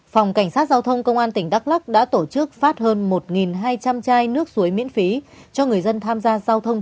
phòng cảnh sát giao thông công an tỉnh đắk lắc đã tổ chức phát hơn một hai trăm linh chai nước suối miễn phí cho người dân tham gia giao thông